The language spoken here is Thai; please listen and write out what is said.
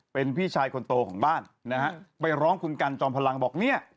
เป็นพี่ชายคนโตของบ้านนะฮะไปร้องคุณกันจอมพลังบอกเนี่ย